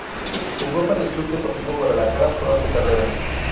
Jugó para el Club Deportivo Guadalajara toda su carrera.